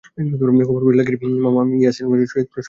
খবর পেয়ে লাকীর মামা ইলিয়াস ঢালী শরীয়তপুরের সুরেশ্বর ঘাটে ছুটে আসেন।